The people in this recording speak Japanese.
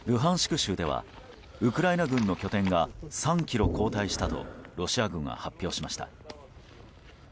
州ではウクライナ軍の拠点が３ｋｍ後退したとロシア軍は発表しました。